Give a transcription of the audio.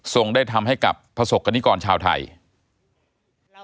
ทรงได้ทำให้กับพระศกนิกรชาวไทย